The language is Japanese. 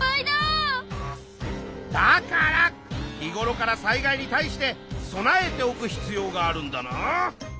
だから日ごろから災害に対して備えておく必要があるんだな。